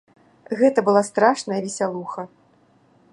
Гэта была страшная весялуха.